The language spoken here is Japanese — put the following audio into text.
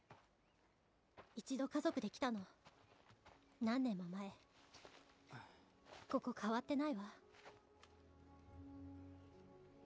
一度家族で来たの何年も前ここ変わってないわ